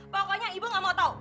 pokoknya ibu gak mau tahu